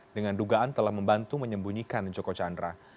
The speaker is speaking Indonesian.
dengan dugaan telah membantu menyembunyikan joko chandra